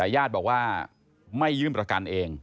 และก็จะรับความจริงของตัวเอง